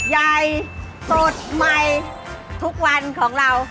ใหญ่สดใหม่ทุกวันของเรา